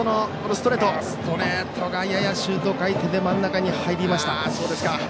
ストレートがややシュート回転で真ん中に入りました。